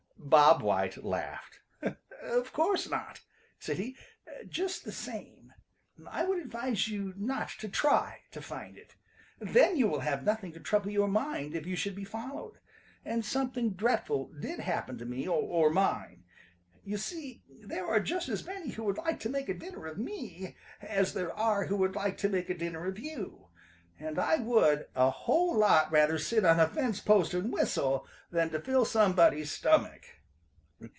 Bob White laughed. "Of course not," said he. "Just the same I would advise you not to try to find it. Then you will have nothing to trouble your mind if you should be followed, and something dreadful did happen to me or mine. You see there are just as many who would like to make a dinner of me as there are who would like to make a dinner of you, and I would a whole lot rather sit on a fence post and whistle than to fill somebody's stomach."